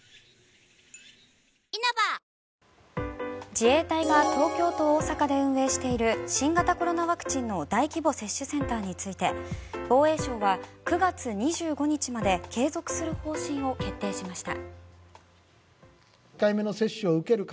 自衛隊が東京と大阪で運営している新型コロナワクチンの大規模接種センターについて防衛省は９月２５日まで継続する方針を決定しました。